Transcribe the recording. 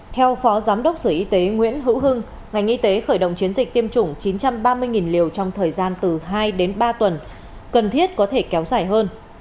theo phó giám đốc sở y tế nguyễn hữu hưng ngành y tế khởi động chiến dịch tiêm chủng chín trăm ba mươi liều trong thời gian từ hai đến ba tuần cần thiết có thể kéo dài hơn